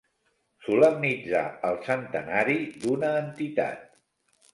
Solemnitzar el centenari d'una entitat.